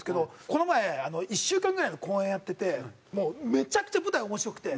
この前１週間ぐらいの公演やっててもうめちゃくちゃ舞台面白くて。